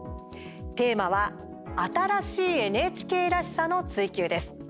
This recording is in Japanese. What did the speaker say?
テーマは「“新しいＮＨＫらしさ”の追求」です。